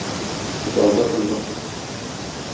Залда тынлык.